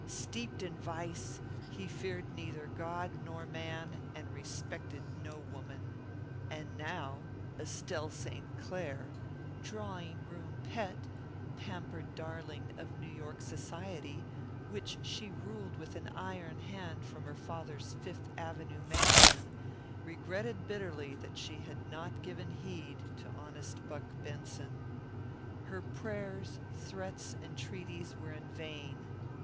Steeped in vice, he feared neither God nor man, and respected no woman. And now, Estelle St. Clair, drawing room pet, pampered darling of New York society, which she ruled with an iron hand from her father's Fifth Avenue mansion, regretted bitterly that she had not given heed to honest Buck Benson. Her prayers, threats, entreaties, were in vain.